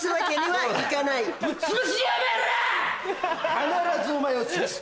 必ずお前をつぶす！